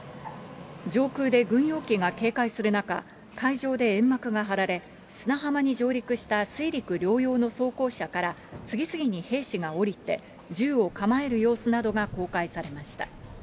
上空で軍用機が警戒する中、海上で煙幕が張られ、砂浜に上陸した水陸両用の装甲車から次々に兵士が降りて、銃を構える様子などが公開されました。